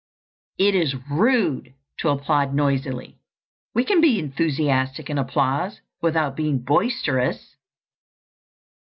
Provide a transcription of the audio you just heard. It is rude to applaud noisily: we can be enthusiastic in applause without being boisterous.